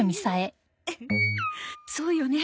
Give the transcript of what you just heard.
そうよね。